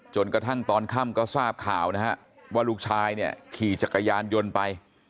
จนกระทั่งตอนค่ำก็ทราบข่าวนะฮะว่าลูกชายเนี่ยขี่จักรยานยนต์ไป